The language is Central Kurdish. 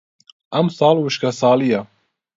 ئەم ساڵ وشکە ساڵییە.